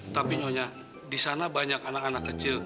tapi nyonya disana banyak anak anak kecil